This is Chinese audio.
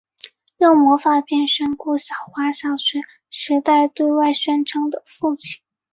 用魔法变身过小花小学时代对外宣称的父亲。